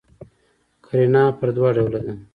قرینه پر دوه ډوله ده.